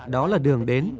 đó là đường đến